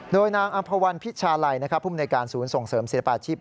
โดยนางอัมพวัณธ์พิชาลัยผู้บริการสูญส่งเสริมศิลปาอาชีพ